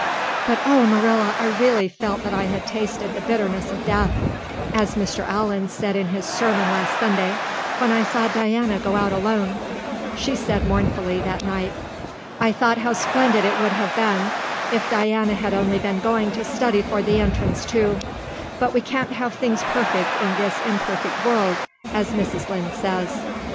"But, oh, Marilla, I really felt that I had tasted the bitterness of death, as Mr. Allan said in his sermon last Sunday, when I saw Diana go out alone," she said mournfully that night. "I thought how splendid it would have been if Diana had only been going to study for the Entrance, too. But we can't have things perfect in this imperfect world, as Mrs. Lynde says.